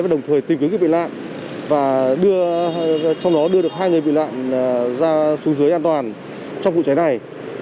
và đồng thời tìm kiếm những bị lạc và trong đó đưa được hai người bị lạc ra xuống dưới an toàn trong vụ cháy này